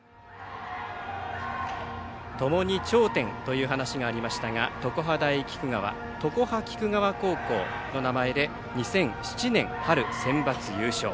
共に頂点という話がありましたが常葉大菊川常葉菊川高校の名前で２００７年春センバツ優勝。